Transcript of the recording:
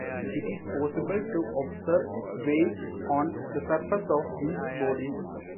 It is possible to observe waves on the surface of these bodies.